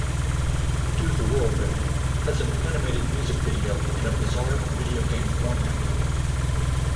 "Do the Whirlwind" has an animated music video in a bizarre video game format.